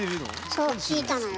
そう聞いたのよ